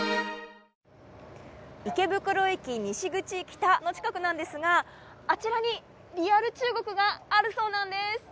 北の近くなんですがあちらにリアル中国があるそうなんです。